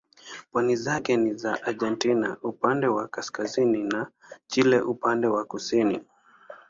Pwani zake ni za Argentina upande wa kaskazini na Chile upande wa kusini.